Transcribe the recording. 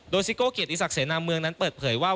ซิโก้เกียรติศักดิเสนาเมืองนั้นเปิดเผยว่า